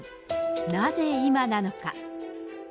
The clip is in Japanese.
なぜ今なのか。